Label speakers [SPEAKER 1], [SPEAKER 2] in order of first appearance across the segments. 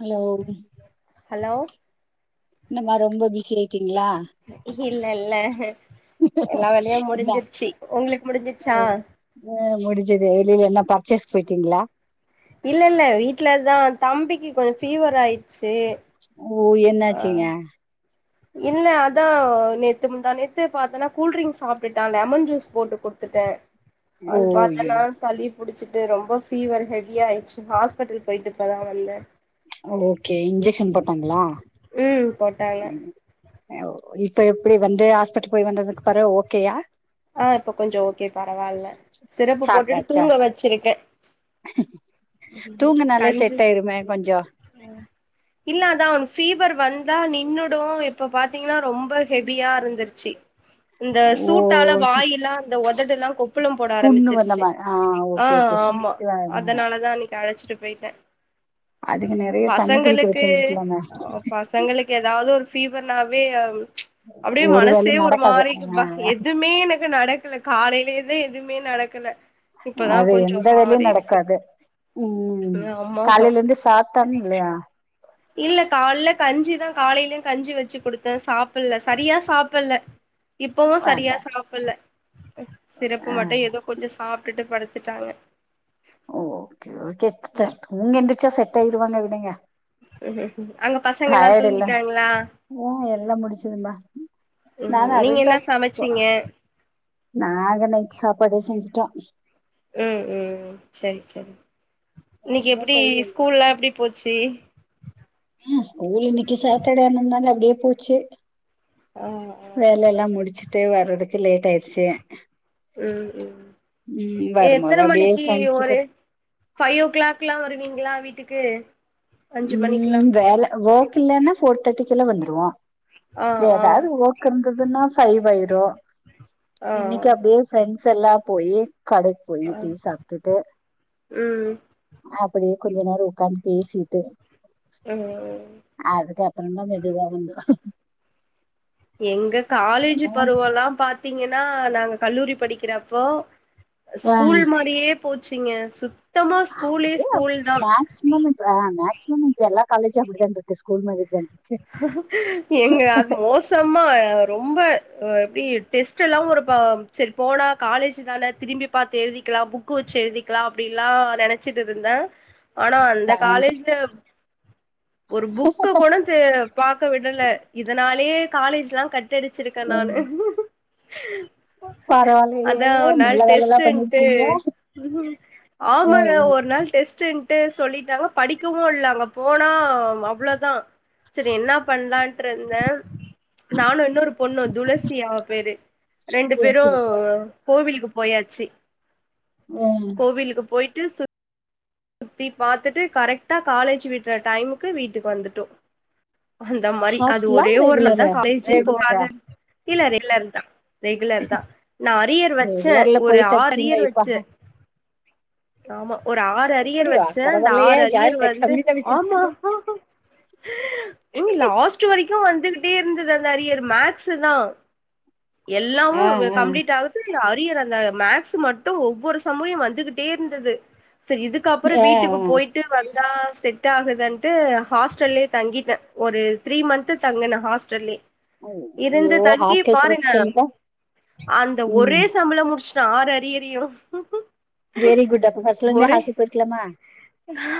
[SPEAKER 1] Hello
[SPEAKER 2] hello
[SPEAKER 1] என்ன மா ரொம்ப பிஸி ஆய்டிங்ளா
[SPEAKER 2] இல்ல இல்ல எல்லா வேலயு
[SPEAKER 1] இல்ல
[SPEAKER 2] முடிஞ்சிருச்சி உங்ளுக்கு முடிஞ்சிச்சா
[SPEAKER 1] ம் முடிஞ்சது நீங்க என்ன பர்ச்சேஸ் போய்ட்டீங்ளா
[SPEAKER 2] இல்ல இல்ல வீட்லதா தம்பிக்கு கொஞ்சோ ஃபீவர் ஆய்ட்ச்சு
[SPEAKER 1] ஓ என்னாச்சுங்க
[SPEAKER 2] இல்ல அதா நேத்து முந்தா நேத்து பாத்தேன்னா கூல்ட்ரிங்க்ஸா சாப்ட்டுட்டா லெமன் ஜூஸ் போட்டு குடுத்துட்ட
[SPEAKER 1] ஓ
[SPEAKER 2] அது பாத்தன்னா
[SPEAKER 1] ஐயையோ
[SPEAKER 2] சளிப் புடிச்சிட்டு ரொம்ப ஃபீவர் ஹெவியாய்ட்ச்சு ஹாஸ்பிட்டல் போய்ட்டு இப்ப தா வந்த
[SPEAKER 1] ஒ ஓகே இன்ஜெக்ஷன் போட்டாங்களா
[SPEAKER 2] ம் போட்டாங்க
[SPEAKER 1] இப்ப எப்டி வந்து ஹாஸ்பிட்டல் போய் வந்ததுக்கு பறோ ஓகேயா
[SPEAKER 2] ஆ இப்ப கொஞ்சோ ஓகே பரவால்ல சிரப்பு போட்டுட்டு தூங்க வச்சிருக்க
[SPEAKER 1] தூங்கனாலே
[SPEAKER 2] கஞ்சி
[SPEAKER 1] செட் ஆயிருமே கொஞ்சோ
[SPEAKER 2] இல்ல அதா அவனுக் ஃபீவர் வந்தா நின்னுடு இப்ப பாத்தீங்கன்னா ரொம்ப ஹெவியா இருந்துருச்சி இந்த
[SPEAKER 1] ஓ
[SPEAKER 2] சூட்டால
[SPEAKER 1] சு-
[SPEAKER 2] வாய் எல்லா இந்த ஒதடெல்லா கொப்புளோ போட
[SPEAKER 1] புண்ணு வந்த
[SPEAKER 2] ஆரம்பிச்சிருச்சி
[SPEAKER 1] மாரி ஆ
[SPEAKER 2] ஆ
[SPEAKER 1] ஓகே ஓகே
[SPEAKER 2] ஆமா
[SPEAKER 1] ஹீட்
[SPEAKER 2] அதனால தா இன்னைக்கு அழைச்சிட்டு போய்ட்ட
[SPEAKER 1] அதுக்கு நெறைய தண்ணி குடிக்க
[SPEAKER 2] பசங்களுக்கு
[SPEAKER 1] வச்சிருந்துக்கலாமே
[SPEAKER 2] பசங்களுக்கு ஏதாவது ஒரு ஃபீவர்னாவே அப்டியே
[SPEAKER 1] ஒரு வேலையு
[SPEAKER 2] மனசே ஒரு
[SPEAKER 1] நடக்காது
[SPEAKER 2] மாரி
[SPEAKER 1] ஆ
[SPEAKER 2] பா எது மே எனக்கு நடக்ல காலைலேதே எதுமே நடக்கல இப்பதா
[SPEAKER 1] அது
[SPEAKER 2] கொஞ்சோ
[SPEAKER 1] எந்த
[SPEAKER 2] ஒரு
[SPEAKER 1] வேலையு
[SPEAKER 2] மாரி இருக்கு
[SPEAKER 1] நடக்காது ம்
[SPEAKER 2] ஆமா
[SPEAKER 1] காலைல இருந்து சாப்ட்டான் இல்லையா
[SPEAKER 2] இல்ல காலைல கஞ்சிதா காலைலயு கஞ்சி வச்சு குடுத்த சாப்பிட்ல சரியா சாப்பில்ல இப்பவு சரியா
[SPEAKER 1] அதா
[SPEAKER 2] சாப்பில்ல சிரப்பு
[SPEAKER 1] ஆ
[SPEAKER 2] மட்டு ஏதோ கொஞ்சோ சாப்ட்டுட்டு படுத்துட்டா அவ
[SPEAKER 1] ஓகே ஓகே சிஸ்டர் தூங்கி எந்திச்சா செட் ஆய்ருவாங்க விடுங்க
[SPEAKER 2] ம் ம் அங்க பசங்க எல்லா தூங்கிட்டாங்களா
[SPEAKER 1] ம் எல்லா‌ முடிஞ்சது மா
[SPEAKER 2] ம்
[SPEAKER 1] நானு
[SPEAKER 2] நீங்க
[SPEAKER 1] அதுக் தா
[SPEAKER 2] என்ன சமச்சீங்க
[SPEAKER 1] நாங்க இன்னைக்கு சாப்பாடு செஞ்சிட்டோ
[SPEAKER 2] ம் ம் சரி சரி இன்னைக்கு
[SPEAKER 1] அதுதா
[SPEAKER 2] எப்டி
[SPEAKER 1] சரி
[SPEAKER 2] ஸ்கூல்லா எப்டி போச்சி
[SPEAKER 1] ம் ஸ்கூல் இன்னைக்கு சட்டடே ஆனலாலே அப்டியே போச்சு
[SPEAKER 2] ஆ ஆ
[SPEAKER 1] வேலல்லா முடிச்சுட்டு வர்றதுக்கு லேட் ஆய்ருச்சி
[SPEAKER 2] ம் ம்
[SPEAKER 1] ம் வரும்போது
[SPEAKER 2] எத்தன
[SPEAKER 1] அப்டியே
[SPEAKER 2] மணிக்கு ஒரு
[SPEAKER 1] ஃபிரெண்ட்ஸ்க்கு
[SPEAKER 2] ஃபைவ் ஓ க்ளாக்லா வருவீங்களா வீட்டுக்கு அஞ்சு மணிக்குலா
[SPEAKER 1] ம் வேல ஒர்க் இல்லன்னா ஃபோர் தேர்ட்டிக்குல்லா வந்துருவோ
[SPEAKER 2] ஆ ஆ
[SPEAKER 1] ஏதாது ஒர்க் கு இருந்ததுன்னா ஃபைவ் ஆய்ரு
[SPEAKER 2] ஆ
[SPEAKER 1] இன்னைக்கு அப்டியே ஃபிரண்ட்ஸ் எல்லா போயி கடைக் போயி
[SPEAKER 2] ஆ
[SPEAKER 1] டீ சாப்ட்டுட்டு
[SPEAKER 2] ம்
[SPEAKER 1] அப்படியே கொஞ்ச நேரம் உகாந்து பேசிட்டு
[SPEAKER 2] கிளம்பிருவாரு
[SPEAKER 1] அதுக்கு அப்பறதா மெதுவா வாந்தே
[SPEAKER 2] எங்க காலேஜ் பருவ எல்லா பாத்தீங்கன்னா நாங்க கல்லூரி படிக்கிறப்போ
[SPEAKER 1] ஆ
[SPEAKER 2] ஸ்கூல் மாறியே போச்சுங்க சுத்தமா ஸ்கூலே ஸ்கூல் தா
[SPEAKER 1] சினுமித்ரா மேக்சிமம் இப்ப எல்லா காலேஜ் அப்டிதா இருக்கு ஸ்கூல் மாறி தா
[SPEAKER 2] எங்க அது மொஸ் நெசாம ரொம்ப ஆ எப்டி டெஸ்ட் எல்லா ஒரு பா சேரி போனா காலேஜ் தானே திரும்பி பாத்து எழுதிக்கலா புக் வச்சு எழுதிக்கலா அப்டின்ல்லா நெனைச்சிட்டு இருந்தே ஆனா அந்த காலேஜ்ல ஒரு புக்க கூட ஃபர்ஸ்ட்டு பாக்க விடல இதனாலயே காலேஜ்ல்லா கட்டடிச்சிருக்கே நானு
[SPEAKER 1] ம் பரவாயில்லயே
[SPEAKER 2] அதா ஒரு நாள்
[SPEAKER 1] நல்ல வேலல்லா
[SPEAKER 2] டெஸ்ட்ன்டு
[SPEAKER 1] பண்ணிருக்கீங்க ம்
[SPEAKER 2] ஆமாங்க
[SPEAKER 1] ம்
[SPEAKER 2] ஒரு நாளு டெஸ்ட் டு சொல்லிட்டாங்க படிக்கவு இல்லா அங்க போனா அவ்ளோதா சேரி என்ன பண்ணலான்ட்டு இருந்தே நானு இன்னொரு பொண்ணு துளசி அவ பேரு ரெண்டு பேரு
[SPEAKER 1] ஓகே ஓகே
[SPEAKER 2] கோவிலுக்கு போயாச்சு
[SPEAKER 1] ம்
[SPEAKER 2] கோவிலுக்கு போயிட்டு சுத் த்தி பாத்துட்டு கரெக்டா காலேஜி விட்டுற டைமுக்கு வீட்டுக்கு வந்துட்டோ அந்த மாறி அது
[SPEAKER 1] ஹாஸ்டலா
[SPEAKER 2] ஒரே ஒரு நாள் தா
[SPEAKER 1] ரெகுலரா
[SPEAKER 2] காலேஜ்
[SPEAKER 1] ரெகுலரா
[SPEAKER 2] போகது இல்ல ரெகுலர் தா ரெகுலர் தா நா அரியர் வச்சே
[SPEAKER 1] ரெகுலர்ல
[SPEAKER 2] ஒரு
[SPEAKER 1] போய்
[SPEAKER 2] ஆறு
[SPEAKER 1] தப்பிச்சீங்க
[SPEAKER 2] அரியர்
[SPEAKER 1] இப்ப
[SPEAKER 2] வச்சே ஆமா ஒரு ஆறு அரியர்
[SPEAKER 1] அப்படியா
[SPEAKER 2] வச்சுசே அந்த
[SPEAKER 1] பரவாயில்லயே
[SPEAKER 2] ஆறு அரியர்
[SPEAKER 1] ஜாலியா
[SPEAKER 2] வந்து
[SPEAKER 1] கம்மி
[SPEAKER 2] ஆமா
[SPEAKER 1] தப்பிச்சிருக்கீங்க
[SPEAKER 2] எங்க லாஸ்ட் வரைக்கு வந்துகிட்டே இருந்தது அந்த அரியர் மேக்ஸ்சு தா எல்லாமு இது கம்ப்ளீட் ஆகு புரியல அரியர் அந்த மேக்ஸ்சு மட்டு ஒவ்வொரு சம்மு வந்துகிட்டே இருந்தது சரி இதுக் கா அப்புறே வீட்டுக்கு போயிட்டு வந்தா செட் ஆகுதுன்ட்டு ஹாஸ்டல்லயே தங்கிட்டே ஒரு த்ரீ மந்த் தங்கனே ஹாஸ்டல்லயே
[SPEAKER 1] ஐயோ
[SPEAKER 2] இருந்து தங்கி
[SPEAKER 1] ஹாஸ்டல்
[SPEAKER 2] பாருங்க
[SPEAKER 1] பிரச்சனைதா
[SPEAKER 2] அந்த ஒரே
[SPEAKER 1] ம்
[SPEAKER 2] சம்முல முடிச் ஆறு அரியரையு
[SPEAKER 1] வெரி குட் அப்ப ஃபர்ஸ்ட்ல இருந்து
[SPEAKER 2] ஒரே
[SPEAKER 1] ஹாஸ்டல் போயிருக்கலாமா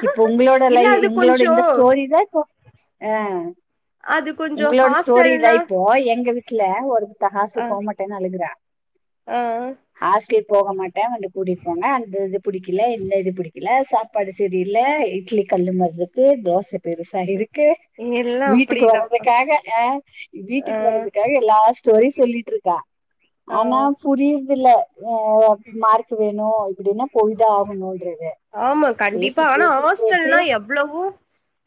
[SPEAKER 1] இப்போ உங்களோட லை
[SPEAKER 2] இல்ல அது
[SPEAKER 1] உங்களோட
[SPEAKER 2] கொஞ்சோ
[SPEAKER 1] இந்த ஸ்டோரி தா இப்போ ஆ
[SPEAKER 2] அது கொஞ்சோ
[SPEAKER 1] உங்களோட ஸ்டோரி இதா
[SPEAKER 2] ஹாஸ்டல்னா
[SPEAKER 1] இப்போ எங்க வீட் வீட்ல ஒரு தகாசி
[SPEAKER 2] அ
[SPEAKER 1] போக மாட்டேன்னு அழுகுறா
[SPEAKER 2] ஆ ஆ
[SPEAKER 1] ஹாஸ்டல் போக மாட்டே வந்து கூட்டிட் போங்க அந்த இது பிடிக்கல இந்த இது பிடிக்கல சாப்பாடு சரியில்ல இட்லி கல்லு மாறி இருக்கு தோசை பெருசா இருக்கு
[SPEAKER 2] எல்லா
[SPEAKER 1] வீட்டுக்கு
[SPEAKER 2] அப்டிதா
[SPEAKER 1] வர்துக்காக ஆ
[SPEAKER 2] ஆ
[SPEAKER 1] வீட்டுக்கு வரதுக்காக எல்லா ஸ் டோரி சொல்லிட்டு இருக்கா
[SPEAKER 2] ஆ
[SPEAKER 1] ஆனா புரியது இல்ல ஆ மார்க்கு வேணு நோ இப்புடின்னா போயி தா ஆகணுன்றது
[SPEAKER 2] ஆமா
[SPEAKER 1] பேசி
[SPEAKER 2] கண்டிப்பா ஆனா
[SPEAKER 1] பேசி பேசி
[SPEAKER 2] ஹாஸ்டல்னா எவ்வுளவு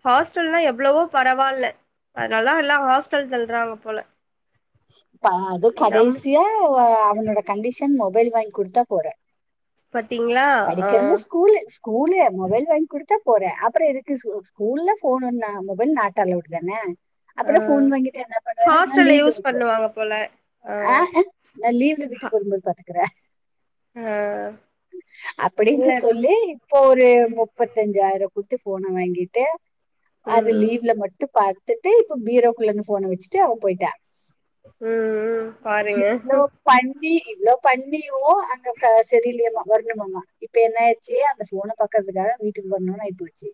[SPEAKER 2] ஹாஸ்டல்லா எவ்வுளவோ பரவா இல்ல அதனால தா எல்லா ஹாஸ்டல்ல தள்றாங்க போல
[SPEAKER 1] ஆ அது
[SPEAKER 2] நம்
[SPEAKER 1] கடைசியா ஆ அவனோட கண்டிஷன் மொபைல் வாங்கி குடுத்தா போறே
[SPEAKER 2] பாத்தீங்களா ஆ
[SPEAKER 1] படிக்கறாது ஸ்கூலு ஸ்கூலு மொபைல் வாங்கி குடுத்தா போற அப்புறோ எதுக்கு ஸ் ஸ்கூல்ல ஃபோன் ஒன்ன மொபைல் நாட் அலோட்தான
[SPEAKER 2] ஆ
[SPEAKER 1] அப்பறோ ஃபோன் வாங்கிட்டு என்ன பண்ணுவன்ன நா
[SPEAKER 2] ஹாஸ்டல்ல
[SPEAKER 1] லீவ்ல
[SPEAKER 2] யூஸ்
[SPEAKER 1] [unintelligible]
[SPEAKER 2] பண்ணுவாங்க போல ஆ
[SPEAKER 1] அ அ நா லீவ்ல வீட்டுக்கு வரும்போது பாத்துக்குற
[SPEAKER 2] ஆ இல்ல
[SPEAKER 1] அப்படின்னு
[SPEAKER 2] ம்
[SPEAKER 1] சொல்லி இப்போ ஒரு முப்பத்த அஞ்சாயிரோ குத்து ஃபோன வாங்கிட்டு அது
[SPEAKER 2] ம்
[SPEAKER 1] லீவ்ல மட்டும் பாத்துட்டு இப்ப பீரோக்குள்ள இந்த ஃபோன வச்சுட்டு அவ போயிட்டா
[SPEAKER 2] ம் ம் பாருங்க
[SPEAKER 1] இவ்ளோ பண்ணி இவ்ளோ பண்ணியு அங்க க செரியில்லயாமா வரணுமாமா இப்ப என்ன ஆய்டுச்சு அந்த ஃபோன பாக்கறதுக்காக வீட்டுக்கு வரணுன்னு ஆய்போச்சி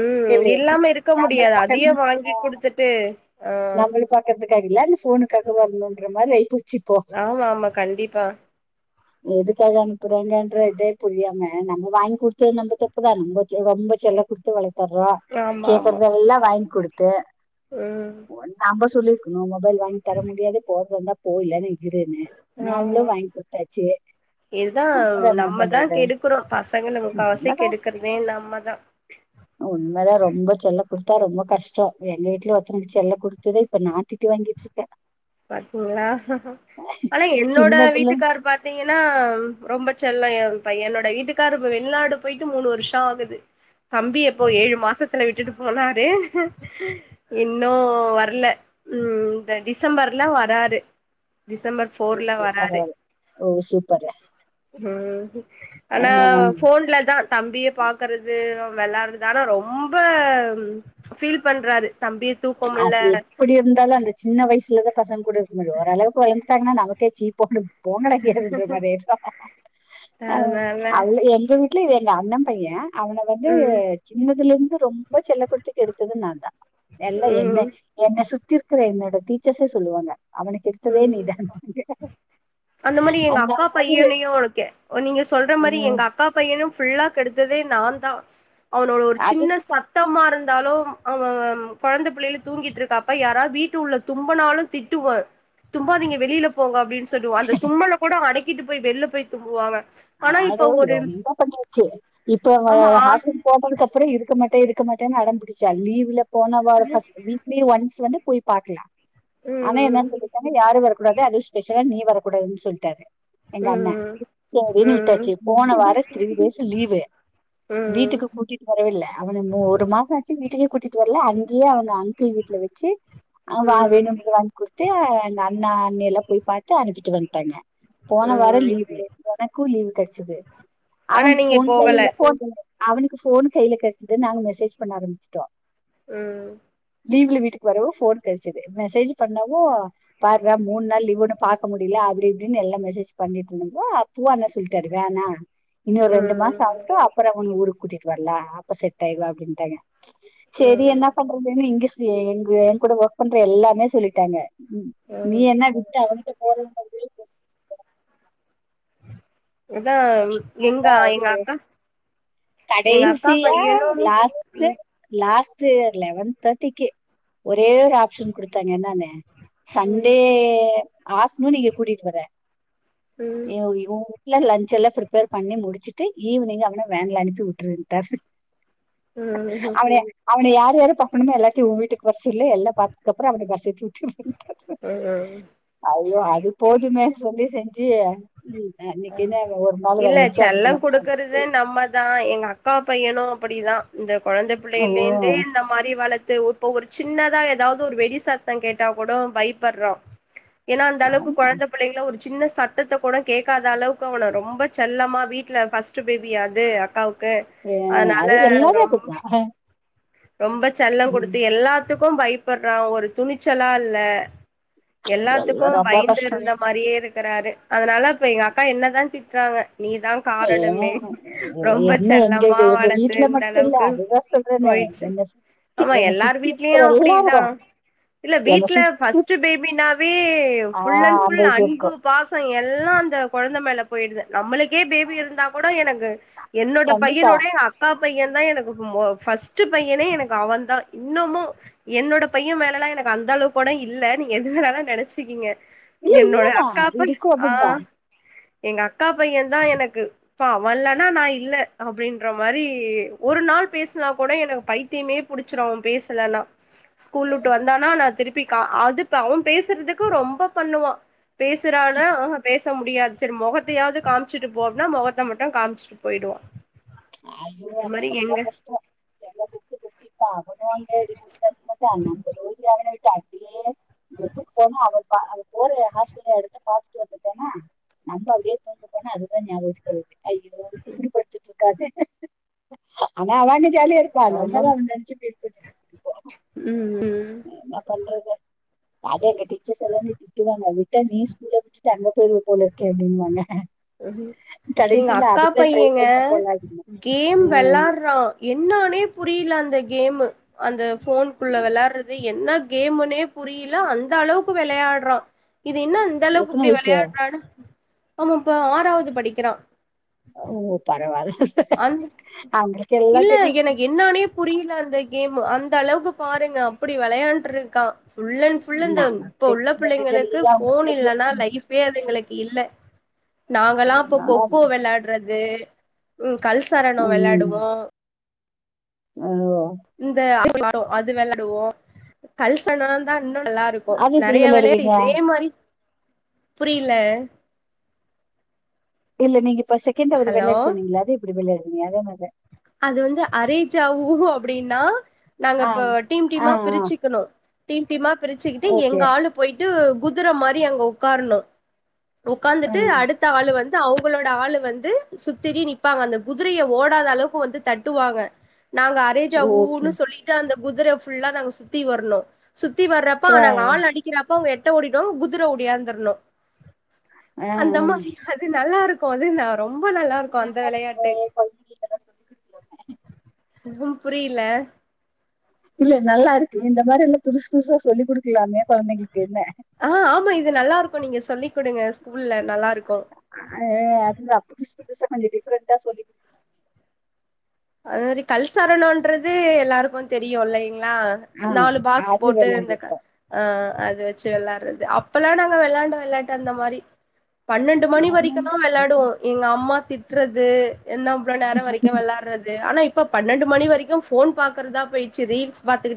[SPEAKER 2] ம் இல்லாம இருக்க முடியாது
[SPEAKER 1] பாக்கற
[SPEAKER 2] அதையு வாங்கி குடுத்துட்டு ஆ
[SPEAKER 1] கஞ்சகாரில அந்த ஃபோனுக்காக வரணுன்ற மாரி ஆயிப்போச்
[SPEAKER 2] ஆமா ஆமா கண்டிப்பா
[SPEAKER 1] எதுக்காக அனுப்புறாங்கன்ற இதே புரியாம நம்ம வாங்கி குடுத்தது நம்ம தப்புதா நம்ம ரொம்ப செல்ல குடுத் து வளத்தறோ
[SPEAKER 2] ஆமா ஆமா
[SPEAKER 1] கேக்கறத எல்லா வாங்கி குடுத்து
[SPEAKER 2] ம்
[SPEAKER 1] நாம்ப சொல்லிருக்கணு மொபைல் வாங்கி தர முடியாது போர்தா இருந்தா போ இல்லானா இருன்னு நாம்பளு
[SPEAKER 2] ஆமா
[SPEAKER 1] வாங்கி குடுத்தாச்சு
[SPEAKER 2] இதுதா
[SPEAKER 1] அப்றோ என்ன
[SPEAKER 2] நம்மதா
[SPEAKER 1] பண்றது
[SPEAKER 2] கெடுக்குறோ பசங்கள
[SPEAKER 1] உண்மதா
[SPEAKER 2] முக்காவவசிககெடுக்குறதே நம்மதா
[SPEAKER 1] உண்மதா ரொம்ப செல்ல குடுத்தா ரொம்ப கஷ்டோ எங்க வீட்லயு ஒருத்தவுங்களுக்கு செல்ல குடுத் தது இப்ப நா திட்டு வாங்கிட்ருக்க
[SPEAKER 2] பாத்தீங்களா ஆனா என்னோட
[SPEAKER 1] சின்னதுல
[SPEAKER 2] வீட்டுக்கார் பாத் தீங்கின்னா ரொம்ப செல்லோ எ பையனோட வீட்டுக்காரு இப்ப வெளிநாடு போயிட்டு மூணு வருஷோ ஆகுது தம்பி எப்போ ஏழு மாசத் துல விட்டுட்டு போனாரு இன்னு வரல ம் இந்த டிஸ் டிசம்பர்ல வராரு டிசம்பர் ஃபோர்ல
[SPEAKER 1] ஓகே
[SPEAKER 2] வராரு
[SPEAKER 1] பரவால்ல ல ஓ சூப்பரு
[SPEAKER 2] ம் ஆனா ஃபோன்ல தா தம்பிய பாக்கறது வெளாறது ஆனா ரொம்ப ஃபீல் பண்றாரு தம்பிய தூக்க முல்ல
[SPEAKER 1] அது எப்படி இருந்தாலு அந்த சின்ன வயசுலதா பசங்க கூட இருக்க முடியு ஓரளவுக்கு வலந்து ட்டாங்கன்னா நமக்கே ச்சீ போனு போங்கடா எங்கயாதுன்ற மாரிஆய்டு
[SPEAKER 2] அதனால
[SPEAKER 1] அவ்வுரு எங்க வீட்ல எங்க அண்ண பைய அவன வந்து
[SPEAKER 2] ம்
[SPEAKER 1] சின்னதுல இருந்து ரொம்ப செல்ல குடுத்து கெடுத்தது நா எல்லா என்ன
[SPEAKER 2] ம்
[SPEAKER 1] என்ன சுத்தி இருக்குற என்னோட டீச்சர்ஸே சொல்லுவாங்க அவனக் கெடுத்ததே
[SPEAKER 2] ம்
[SPEAKER 1] நீதான்னுவாங்க
[SPEAKER 2] அந்த மாரி எங்க அக்கா பையனயு இருக்க நீங்க சொல்ற மாரி
[SPEAKER 1] ம்
[SPEAKER 2] எங்க அக் அக்கா பையனு ஃபுல்லா கெடுத்ததே நா தா அவனோட ஒரு சின்ன
[SPEAKER 1] அதுதான்
[SPEAKER 2] சத் தமா இருந்தாலு அவ கொழந்த பிள்ளைல தூங்கிட்டு இருக்காப்ப யாரா வீட்டு உள்ள தும்பனாலு திட்டுவ தும்பாதீங்க வெளில போங்க அப்டின் சொல்லுவ அந்த தும்பல கூட அடக்கிட்டு போய் வெள்ல போய் தும்புவாங்க
[SPEAKER 1] அத
[SPEAKER 2] ஆனா
[SPEAKER 1] யாரு
[SPEAKER 2] இப்ப ஒரு
[SPEAKER 1] ரொம்ப பண்ணிருச்சி இப்ப அ
[SPEAKER 2] ஆமா
[SPEAKER 1] ஹசன் போட்டதுக்கு அப்புறோ இருக்க மாட்ட இருக்க மாட்டேன்னு அடம்புடிச்சா லீவ்ல போனவார ஃபஸ்ட்டு வீக் லி ஒன்ஸ் வந்து போய் பாக்லா ஆனா என்ன
[SPEAKER 2] ம்
[SPEAKER 1] சொல்லிட்டாங்க யாரு வரக்கூடாது அது ஸ்பெஷலா நீ வரக்கூடாதுன் சொல்ட்டாரு எங்க
[SPEAKER 2] ம்
[SPEAKER 1] அண்ண
[SPEAKER 2] ம்
[SPEAKER 1] சரின்னு விட்டாச்சி போன
[SPEAKER 2] ம்
[SPEAKER 1] வாரோ த்ரீ டேஸ் லீவு
[SPEAKER 2] ம்
[SPEAKER 1] வீட்டுக்கு கூட்டிட்டு வரவேல்ல அவன ஒரு மாசோ ஆச்சி வீட்டுக்கே கூட்டிட்டு வரல அங்கேயே அவன அங்கிள் வீட்ல வச்சி வா
[SPEAKER 2] ம்
[SPEAKER 1] வேணு வாங்கி குடுத்து அங்க அண்ணா அண்ணி எல்லா போய் பாத்து அனுப்பிட்டு வந்துட்டாங்க போன வாரோ
[SPEAKER 2] ம்
[SPEAKER 1] லீவு எனக்கு லீவு கெடச்சது
[SPEAKER 2] ஆனா
[SPEAKER 1] அவனுக்
[SPEAKER 2] நீங்க
[SPEAKER 1] ஃபோன்
[SPEAKER 2] போகல
[SPEAKER 1] கையில அவனுக்கு ஃபோன் கையில கேடச்சது நாங்க மெசேஜ் பண்ண ஆரம்பிச்சுட்டோ
[SPEAKER 2] ம்
[SPEAKER 1] லீவ்ல வீட்டுக்கு வரவு ஃபோன் கெடச்சது மெசேஜ் பண்ணவோ பார்றா மூணு நாள் லீவ் ஒன்னு பாக்க முடில அப்பிடி இப்பிடின்னு எல்லா மெசேஜ் பண்ணிட்ருந்தமா துவா என்னா சொல்லிட்டாரு வேணா இன்னு ரெண்டு மாசோ
[SPEAKER 2] ம்
[SPEAKER 1] ஆகட்டு அப்புறோ உன் ஊருக்கு கூட்டிட்டு வரலா அப்ப செட் ஆயிருவ அப்பிடின்ட்டாங்க செரி
[SPEAKER 2] ம்
[SPEAKER 1] என்ன பண்றதுன்னு இங்கு சுத் தி எங்க எங் கூட ஒர்க் பண்ற எல்லாமே சொல்லிட்டாங்க நீ
[SPEAKER 2] ம்
[SPEAKER 1] என்ன விட்டு அவங்கிட்ட போற அதுக் [unintelligible]
[SPEAKER 2] அதா எங்க எங்க
[SPEAKER 1] போற
[SPEAKER 2] அக்கா எங்க அக்கா
[SPEAKER 1] கடைசியா
[SPEAKER 2] பையனு
[SPEAKER 1] லாஸ்ட்டு
[SPEAKER 2] ம்
[SPEAKER 1] லாஸ்டு லெவன் தேர்ட்டிக்கே ஒரே ஒரு ஆப்ஷன் குடுத்தாங்க என்னானு
[SPEAKER 2] ம்
[SPEAKER 1] சண்டே ஆஃப்டர்நூன் இங்க கூட்டிட்டு வற
[SPEAKER 2] ம்
[SPEAKER 1] எ இவோ ஊட்ல லன்ச்ல்லா பிர்பேர் பண்ணி முடிச்சிட்டு ஈவினிங் அவன வேன்ல அனுப்பி உட்டுட்வன்ட்டாரு
[SPEAKER 2] ம் ம்
[SPEAKER 1] அவன அவன யார் யாரு பாக்கணுமோ எல்லாத்தையு உ வீட்டுக் வர்சொல்லு எல்லா பாத்தத்க்கு அப்புறோ அவன பஸ் ஏத்தி உட்ரு
[SPEAKER 2] அ அ
[SPEAKER 1] ஐயோ அது போதுமே சொல்லி செஞ்சி ம் இன்னிக்கி என்ன ஒரு நாள் வர வச்சு அனுப்பணு
[SPEAKER 2] அது நம்ம தா எங்க அக்கா பையனு அப்படிதா இந்த கெழந்த
[SPEAKER 1] ஆ,
[SPEAKER 2] புள்ளைலேந்தே இந்த மாரி வளத்து உத் இப்போ ஒரு சின்னதா ஏதாவது ஒரு வெடி சாத்தே கேட்டா கூட பயப்பட்றா ஏன்னா அந்த அளவுக்கு
[SPEAKER 1] ஆமா
[SPEAKER 2] கொழந்த புள்ளைங்ல ஒரு சின்ன சத் த்தத்த கூட கேக்காத அளவுக்கு அவன ரொம்ப செல்லமா வீட்ல ஃபர்ஸ்ட் பேபியாது அக்காக்கு
[SPEAKER 1] ஏ,
[SPEAKER 2] அதனால
[SPEAKER 1] அது
[SPEAKER 2] ரொ
[SPEAKER 1] எல்லாரும் அப்படிதான்
[SPEAKER 2] ரொம்ப செல்ல
[SPEAKER 1] ம்.
[SPEAKER 2] குடுத்து எல்லாத்துக்கு பைப் புட்றா ஒரு துணிச்சலால்ல எல்லாத்துக்கு
[SPEAKER 1] இதெல்லா ரொம்ப கஷ்டங்க
[SPEAKER 2] பயந்துருந்த மாரியே இருக் குறாரு அதனால இப்ப எங்க அக்கா என்ன தா திட்றாங்க நீ தா
[SPEAKER 1] ஏ
[SPEAKER 2] காரணமே ரொம்ப
[SPEAKER 1] என்ன எங்க
[SPEAKER 2] செல்லமா
[SPEAKER 1] எங்க
[SPEAKER 2] வளத்து
[SPEAKER 1] வீட்ல மட்டு இல்ல
[SPEAKER 2] இந்தளவுக்கு
[SPEAKER 1] அதுதா சொல்றேனே
[SPEAKER 2] போயிர்ச்சு
[SPEAKER 1] என்ன சுத்தி
[SPEAKER 2] ஆமா
[SPEAKER 1] என்ன
[SPEAKER 2] எல்லார்
[SPEAKER 1] சுத்தி
[SPEAKER 2] வீட்லயு
[SPEAKER 1] இருக்கிற
[SPEAKER 2] அப்டிதா
[SPEAKER 1] எல்லாரு
[SPEAKER 2] இல்ல
[SPEAKER 1] என்ன
[SPEAKER 2] வீட்ல
[SPEAKER 1] சுத்தி
[SPEAKER 2] ஃபர்ஸ்ட் பேபினாவே
[SPEAKER 1] ஆ
[SPEAKER 2] ஃபுல் அண்ட்
[SPEAKER 1] அந்த
[SPEAKER 2] ஃபுல்
[SPEAKER 1] இது
[SPEAKER 2] அன்பு
[SPEAKER 1] இருக்கு
[SPEAKER 2] பாசோ எல்லா அந்த கொழந்த மேல போயிடுது நம்மளுக்கே பேபி இருந்தா கூட எனக்கு என்னோட
[SPEAKER 1] கண்டிப்பா
[SPEAKER 2] பையனோடைய அக்கா பையன் தா எனக்கு மொ ஃபஸ்ட்டு பையனே எனக்கு அவ தா இன்னமு என்னோட பைய மேலல்லா எனக்கு அந்த அளவுக்கு கூட இல்ல நீங்க எது வேணாலு நெனைச்சுக்கீங்க
[SPEAKER 1] இல்ல
[SPEAKER 2] என்னோட
[SPEAKER 1] உண்மதா
[SPEAKER 2] அக்கா
[SPEAKER 1] அது
[SPEAKER 2] பைய
[SPEAKER 1] இருக்கு அப்டிதா
[SPEAKER 2] எங்க அக்கா பையன் தா எனக்கு இப்ப அவல்லனா நா இல்ல அப்டின்ற மாரி ஒரு நாள் பேசுலனா கூட எனக்கு பைத் த்தியுமே புடிச்சிடு அவ பேசலன்னா
[SPEAKER 1] [inaudible]
[SPEAKER 2] ஸ்கூல் உட்டு வந்தானா நா திருப்பி அது அவ பேசுறதுக்கு ரொம்ப பண்ணுவா பேசுற னால பேச முடியாது செரி மொகத்தையாது காம்ச்சுட்டு போ அப்டினா மொகத்த மட்டு காமிச்சுட்டு போயிடுவா
[SPEAKER 1] ஐயோ அது ரொம்ப கஷ்டோ செல்ல குத்தி குத்திப்பா அவனு அங்க [unintelligible] [unintelligible] எடுதுட் போனா அது த அது போற ஹாஸ்டில்ல எடுத்த பாத்துட்டு வந்துட்டோனா நம்ப அப்டியே துக்கி பேனா அது தா நியாபகத்துக்கு வருது அய்யோ
[SPEAKER 2] [inaudible]
[SPEAKER 1] ஆனா அவ அங்க ஜாலியா இருக்கா நம்மதா
[SPEAKER 2] ஆமாம்
[SPEAKER 1] நெனச்சு ஃபீல் பண்ணிட்டு இருக்கோம்
[SPEAKER 2] ம் ம்
[SPEAKER 1] என்ன பண்றது அதா அங்க டீச்சர்ஸ் எல்லா விட்டுவாங்க விட்ட நீ ஸ்கூல்ல விட்டுட்டு அங்க போயிருவ போலருக்கே அப்டின்பாங்க
[SPEAKER 2] எங்க அக்கா
[SPEAKER 1] ட்ரை
[SPEAKER 2] பையங்க
[SPEAKER 1] பண்ண போல அப்படின்னு
[SPEAKER 2] கேம்
[SPEAKER 1] உம்
[SPEAKER 2] வேளாட்றா என்னானே புரில அந்த கேமு அந்த ஃபோன்க்குள்ள வெளையாட்றது என்ன கேமுனே புரில அந்த அளவுக்கு வேளையாட்றா இது என்ன இந்தளவுக்கு
[SPEAKER 1] எத்தனை
[SPEAKER 2] இப்டி
[SPEAKER 1] வயசு
[SPEAKER 2] விளையாட்றானு இப்ப ஆறாவது படிக்கிறா
[SPEAKER 1] ஓ பரவால்ல
[SPEAKER 2] அந்
[SPEAKER 1] அவங்களுக்கு எல்லா
[SPEAKER 2] இல்ல
[SPEAKER 1] தெரியு
[SPEAKER 2] எனக்கு என்னானே புரில அந்த கேமு அந்தளவுக்கு பாருங்க அப்டி வெளையாண்ட்ருக்கா ஃபுல்லன் ஃபுல் அந்த இப்ப
[SPEAKER 1] நமக்கு
[SPEAKER 2] உள்ள புள்ளைங்களுக்கு
[SPEAKER 1] தெரிஞ்சதெல்லாம் அவங்களுக்கு
[SPEAKER 2] ஃபோன்
[SPEAKER 1] தெரியும்
[SPEAKER 2] இல்லன்னா
[SPEAKER 1] உம்
[SPEAKER 2] லைஃப் வே அதுங்களுக்கு இல்ல நாங்கல்லா இப்போ
[SPEAKER 1] என்ன
[SPEAKER 2] கொக்கோ வெளாட்றது ம் கல் சாரணே வெளாயாடுவோ
[SPEAKER 1] அதுவா
[SPEAKER 2] இந்த [unintelligible] அது வெளாடுவோ கல்சனோந்தா இன்னு நல்லா ருக்கு
[SPEAKER 1] அது எப்படி
[SPEAKER 2] நறைய வேலையா
[SPEAKER 1] விளையாடுவீங்க
[SPEAKER 2] இதே மாரி புரில
[SPEAKER 1] இல்ல நீங் இப்ப செகண்ட்டா ஒரு
[SPEAKER 2] ஹலோ
[SPEAKER 1] வெளாட்டு சொன்னீங்கள அது எப்டி விளையாட்விங்க அதே மாரி தா
[SPEAKER 2] அது வந்து அரேஜாவு அப்டின்னா நாங்க
[SPEAKER 1] ஆ
[SPEAKER 2] இப்ப டீம்
[SPEAKER 1] ஆ
[SPEAKER 2] டீமா பிரிச்சிக்கணு டீம் டீமா பிரிச்சுக்கிட்டு எங்க
[SPEAKER 1] ஓகே
[SPEAKER 2] ஆளு போயிட்டு குதுர மாரி அங்க உக்காரணு உகாந்துட்டு
[SPEAKER 1] ஆ
[SPEAKER 2] அடுத் த்த ஆளு வந்து அவுங்களோட ஆளு வந்து சுத்திரி நிப்பாங்க அந்த குதிரைய ஓடாத அளவுக் க்கு வந்து தட்டுவாங்க நாங்க
[SPEAKER 1] ஓகே.
[SPEAKER 2] அரேஜாவுன்னு சொலி ட்டு அந்த குதிர ஃபுல்லா நாங்க சுத்தி வரணு சுத்தி வர்றப்ப
[SPEAKER 1] அ,
[SPEAKER 2] நாங்க ஆள் அடி க்கிறப்ப அவுங்க எட்ட ஓடிடுவாங் குதுர ஒடியாந்துர்ணு
[SPEAKER 1] அ, அ.
[SPEAKER 2] அந்த மாரி அது நல்லாருக்கு அது ந ரொம்ப நல்லாருக்கு அந்த
[SPEAKER 1] நல்லா இருக்குங்க
[SPEAKER 2] வெளையாட்டு
[SPEAKER 1] குழந்தைகளுக்கெல்லாம் சொல்லிக் குடுக்கலாமே.
[SPEAKER 2] [unintelligible] புரியில
[SPEAKER 1] இல்ல நல்லாருக்கு இந்த மாரில்லா புதுசு புதுசா சொல்லி் குடுக்லாமே கொழந்தைங்குளுக்குன்னு
[SPEAKER 2] அ ஆமா இது நல்லாருக்கு நீங்க சொல்லிக் குடுங்க ஸ்கூல்ல நல்லாருக்கு
[SPEAKER 1] அ அதுதா புதுசு புதுசா கொஞ்ச டிஃப்ரெண்டா சொல்லிக் குடுக்கலாம்.
[SPEAKER 2] அது மரி கல்சாரணன்றது எல்லாருக்கு தெரியு இல்லைங்ளா
[SPEAKER 1] ஆ,
[SPEAKER 2] நாலு பாக்ஸ்
[SPEAKER 1] அது
[SPEAKER 2] போட்டு இந்த க
[SPEAKER 1] விளையாடிருக்கோம்.
[SPEAKER 2] அ அது வச்சு வெளாட்றது அப்பலா நாங்க வெளாண்ட வெளாட்டு அந்த மாரி பன்னெண்டு மணி வரைக்குல்லா வெளாடுவோ
[SPEAKER 1] ஆமாங்க.
[SPEAKER 2] எங்கம்மா திட்றது என்ன இவ்ள நேரோ வரக்கு வெளைட்ற து ஆனா இப்ப பன்னெண்டு மணி வரைக்கு ஃபோன் பாக்றதா போயிட்ச்சி ரீல்ஸ் பாத்துக்கிட்